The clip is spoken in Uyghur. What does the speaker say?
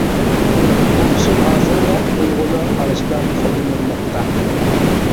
بۇ ئۇسۇل ھازىرمۇ ئۇيغۇرلار ئارىسىدا قوللىنىلماقتا.